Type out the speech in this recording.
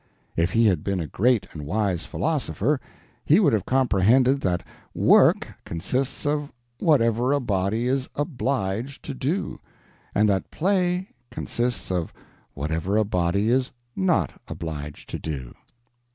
If he had been a great and wise philosopher, he would have comprehended that Work consists of whatever a body is obliged to do, and that Play consists of whatever a body is not obliged to do.